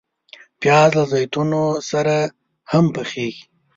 پیاز له زیتونو سره هم پخیږي